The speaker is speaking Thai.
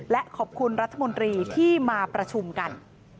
และขอบคุณรัฐมนตรีที่มาประชุมกัน